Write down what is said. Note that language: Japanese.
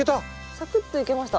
サクッといけました。